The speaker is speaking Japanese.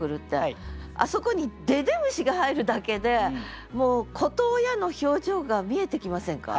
あそこに「ででむし」が入るだけでもう子と親の表情が見えてきませんか？